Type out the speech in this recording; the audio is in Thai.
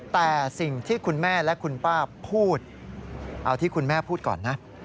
แต่สิ่งที่คุณแม่และคุณป้าพูดเอาที่คุณแม่พูดก่อนนะ